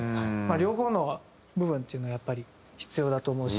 両方の部分っていうのはやっぱり必要だと思うし。